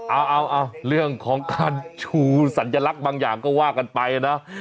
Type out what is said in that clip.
เอาเรื่องของการชูสัญลักษณ์บางอย่างก็ว่ากันไปนะ